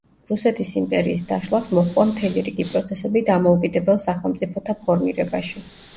რუსეთის იმპერიის დაშლას მოჰყვა მთელი რიგი პროცესები დამოუკიდებელ სახელმწიფოთა ფორმირებაში.